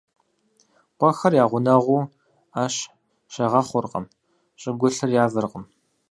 Къуэхэм я гъунэгъуу Ӏэщ щагъэхъуркъым, щӀыгулъыр явэркъым.